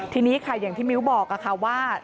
ทีนี้ค่ะอย่างที่มิ้วบอกค่ะว่า